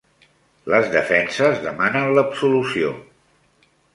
Les defenses demanen l'absolució